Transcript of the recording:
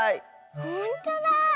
ほんとだあ。